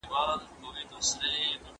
موږ پرون د غره په یوه دره کې وو.